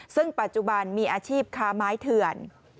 ซึ่งปัจจุบันมีอาชีพค้าไม้เถื่อน